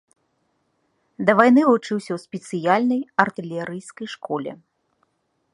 Да вайны вучыўся ў спецыяльнай артылерыйскай школе.